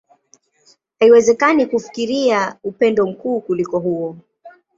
Haiwezekani kufikiria upendo mkuu kuliko huo.